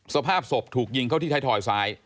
สภาพศพถูกยิงเข้าที่ไทยทอยซ้าย